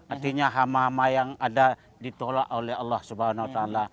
artinya hama hama yang ada ditolak oleh allah swt